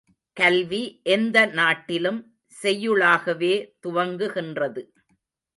கல்வி எந்த நாட்டிலும் செய்யுளாகவே துவங்குகின்றது.